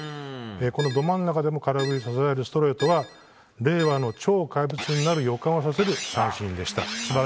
このど真ん中でも空振りをさせられるストレートは令和の超怪物になる予感をさせる三振でした。